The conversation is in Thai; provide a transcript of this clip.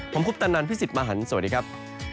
ผมคุปตะนันพี่สิทธิ์มหันฯสวัสดีครับ